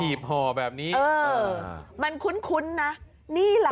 อิบหอแบบนี้มันคุ้นนะนี่ล่ะค่ะ